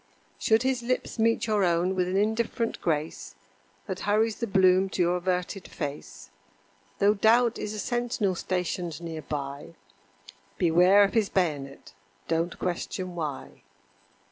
Should his lips meet your own with an indifferent grace That hurries the bloom to your averted face, Though Doubt is a sentinel stationed near by, Beware of his bayonet don't question why.